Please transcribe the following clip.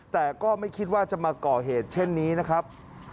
แต่ก็ไม่คิดว่าจะมาก่อเหตุเช่นนี้นะครับ